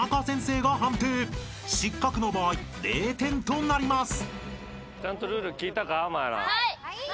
［失格の場合０点となります］